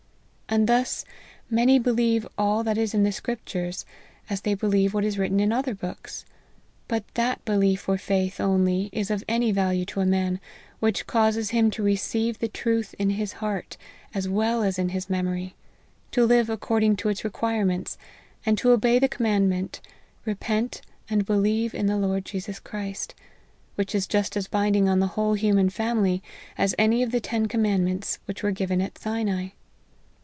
And thus many believe all that is in the scriptures, as they believe what is written in other books ; but that belief or faith, only, is of any value to a man, which causes him to receive the truth in his heart, as well as in his memory ; to live according to its requirements, and to obey the commandment, " re pent and believe in the Lord Jesus Christ;" which is just as binding on the whole human family, as any of the ten commandments which were given at Sinai.